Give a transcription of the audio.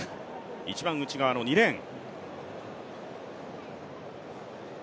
一番内側の２レーン。